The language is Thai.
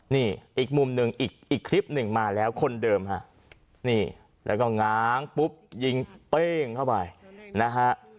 นี่อีกมุมหนึ่งอีกคลิปหนึ่งมาแล้วคนเดิมฮะนี่แล้วก็ง้างปุ๊บยิงเป้งเข้าไปนะฮะ